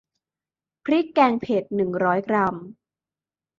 พริกแกงเผ็ด หนึ่งร้อยกรัม